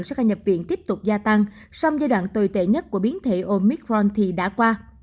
số ca nhập viện tiếp tục gia tăng song giai đoạn tồi tệ nhất của biến thể omicron thì đã qua